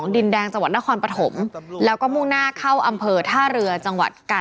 ดูวงจรปิดต่ออีกนิดนึงนะคะ